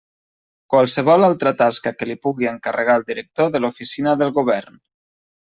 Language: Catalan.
Qualsevol altra tasca que li pugui encarregar el director de l'Oficina del Govern.